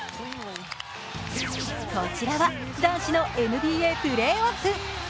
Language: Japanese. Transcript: こちらは男子のＮＢＡプレーオフ。